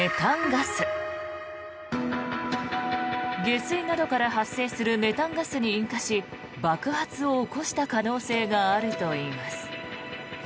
下水などから発生するメタンガスに引火し爆発を起こした可能性があるといいます。